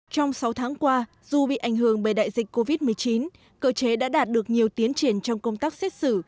trong sáu tháng qua dù bị ảnh hưởng bởi đại dịch covid một mươi chín cơ chế đã đạt được nhiều tiến triển trong công tác xét xử